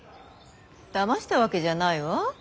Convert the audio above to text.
だましたわけじゃないわ。